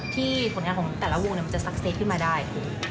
ส่วนผลการของแต่ละวงจะสักเส้นขึ้นมาได้